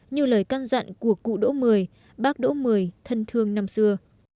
như lời căn dặn của cụ đỗ mười bác đỗ mười thân thương năm xưa